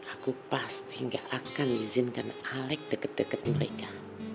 aku pasti enggak akan izinkan alex deket deket mereka